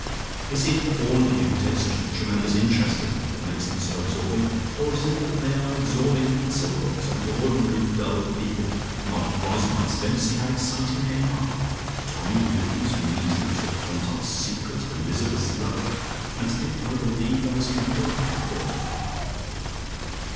Is it all of you who take such a tremendous interest in them that makes them so absorbing, or is it that they are absorbing in themselves, and ordinary dull people, not Riseholmites, don't see how exciting they are? Tommy Luton's measles: the Quantocks' secret: Elizabeth's lover! And to think that I believed I was coming to a backwater."